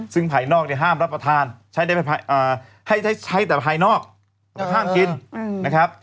ซึ่งภายนอกเนี่ยห้ามรับประทานให้ใช้แต่ภายนอกก็ห้ามกินนะครับ